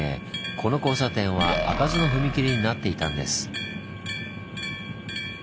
この交差点は開かずの踏切になっていたんです。